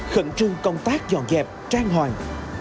khẩn trương công tác dọn dẹp trang hoàng